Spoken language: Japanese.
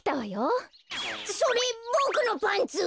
それボクのパンツ！？